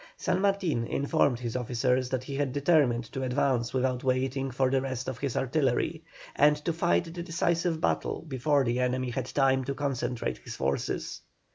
San Martin informed his officers that he had determined to advance without waiting for the rest of his artillery, and to fight the decisive battle before the enemy had time to concentrate his forces.